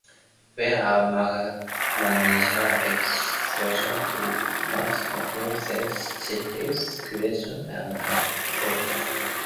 When a manager exercises too much control, they stifle creativity and autonomy.